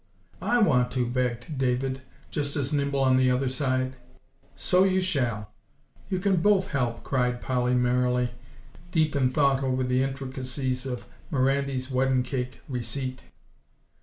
"I want to," begged David, just as nimble on the other side. "So you shall; you can both help," cried Polly merrily, deep in thought over the intricacies of 'Mirandy's weddin' cake receet.